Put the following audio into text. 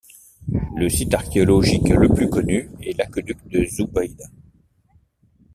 Le site archéologique le plus connu est l'Aqueduc de Zubaida.